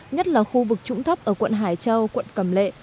nhất là khu vực trũng thấp ở quận hải châu quận cầm lệ